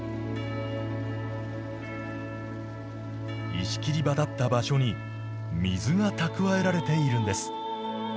石切り場だった場所に水がたくわえられているんです。